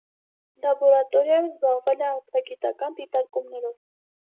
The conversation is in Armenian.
Լաբորատորիայում զբաղվել է աստղագիտական դիտարկումներով։